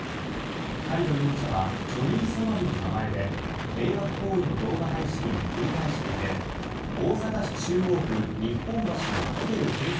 カリド容疑者はジョニー・ソマリの名前で迷惑行為の動画配信を繰り返していて大阪市中央区日本橋のホテル建設